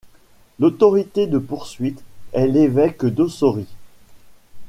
L'autorité de poursuite est l'évêque d'Ossory.